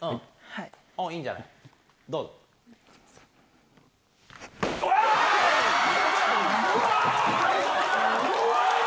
いいんじゃない？うわ！